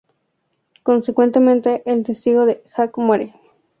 Consecuentemente, el testigo de Jack muere.